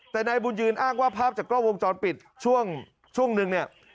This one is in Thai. แต่นายบุญยืนอ้างว่าภาพจากกล้องวงจรปิดช่วงนึงเนี่ย